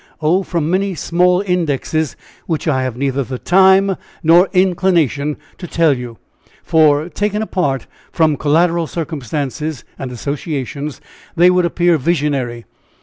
"Oh! from many small indexes, which I have neither the time nor inclination to tell you; for, taken apart from collateral circumstances and associations, they would appear visionary.